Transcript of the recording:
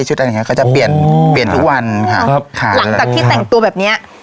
ชุดอันนี้เขาจะเปลี่ยนเปลี่ยนทุกวันครับครับหลังจากที่แต่งตัวแบบเนี้ย